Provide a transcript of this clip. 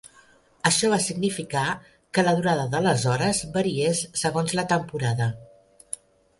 Això va significar que la durada de les hores variés segons la temporada.